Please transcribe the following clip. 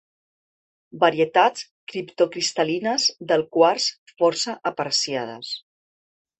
Varietats criptocristal·lines del quars força apreciades.